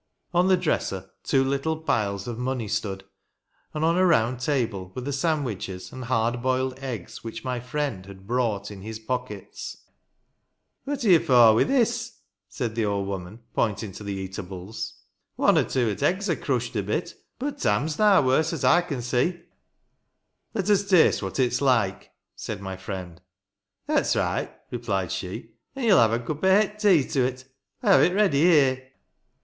On the dresser two little piles of money stood, and on a round table were the sand wiches and hard boiled eggs which my friend had brought in his pockets. " What are ye for wi' this?" said the old woman, pointing to the eat ibles. " One or two o't eggs are crushed a bit, but f ham's naa warse, 'at I can see/' " Let us taste what it is like," said my friend. " That's reight," replied she; "an' ye'll hev a cup o' het tea to it. I have it ready here."